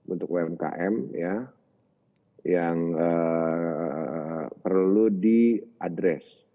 untuk umkm yang perlu diadres